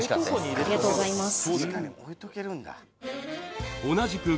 ありがとうございます